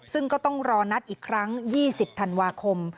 ซึ่งก็ต้องรอนัดอีกครั้ง๒๐ธันวาคม